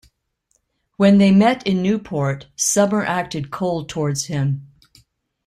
When they met in Newport, Summer acted cold towards him.